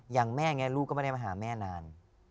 อย่างแม่อย่างนี้ลูกก็ไม่ได้มาหาแม่นาน